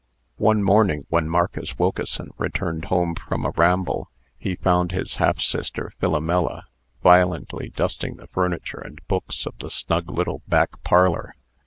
One morning, when Marcus Wilkeson returned home from a ramble, he found his half sister Philomela violently dusting the furniture and books of the snug little back parlor.